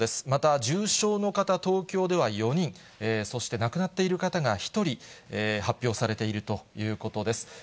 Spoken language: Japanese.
また重症の方、東京では４人、そして、亡くなっている方が１人発表されているということです。